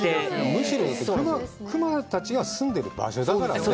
むしろ熊たちが住んでる場所だからね。